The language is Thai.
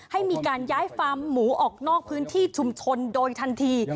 ให้มีการย้ายฟาร์มหมูออกนอกพื้นที่ชุมชนโดยทันที